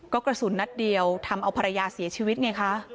ก็กระสุนนัดเดียวทำเอาภรรยาเสียชีวิตไงคะ